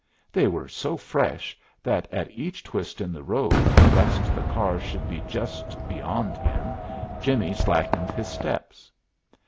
They were so fresh that at each twist in the road, lest the car should be just beyond him, Jimmie slackened his steps.